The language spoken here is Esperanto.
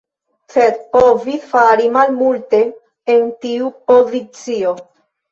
Sed povis fari malmulte en tiu pozicio.